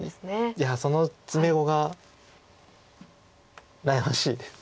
いやその詰碁が悩ましいです。